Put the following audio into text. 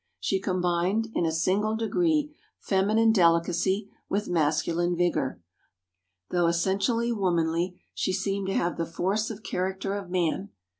She combined, in a singular degree, feminine delicacy with masculine vigour; though essentially womanly, she seemed to have the force of character of man.